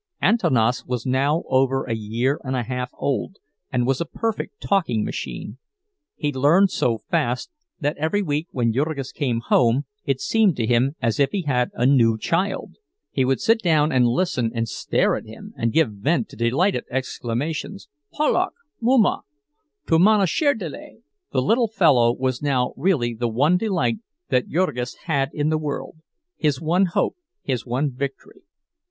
Antanas was now over a year and a half old, and was a perfect talking machine. He learned so fast that every week when Jurgis came home it seemed to him as if he had a new child. He would sit down and listen and stare at him, and give vent to delighted exclamations—"Palauk! Muma! Tu mano szirdele!" The little fellow was now really the one delight that Jurgis had in the world—his one hope, his one victory.